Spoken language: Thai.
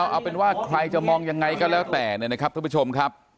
เอาเป็นว่าใครจะมองยังไงก็แล้วแต่เนี่ยนะครับท่านผู้ชมครับ